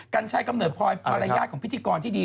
กัญชัยกำเนิดพลอยมารยาทของพิธีกรที่ดี